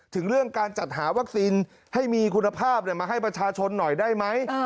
ถึงเรื่องการจัดหาวัคซีนให้มีคุณภาพมาให้ประชาชนหน่อยได้ไหม